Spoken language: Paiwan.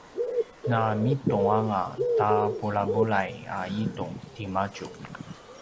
na mitung anga ta bulabulai a itung timadju